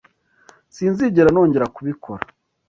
Sinzigera nongera kubikora.